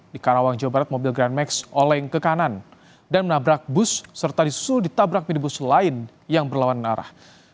di karawang jawa barat mobil grand max oleng ke kanan dan menabrak bus serta disuruh ditabrak minibus lain yang berlawan arah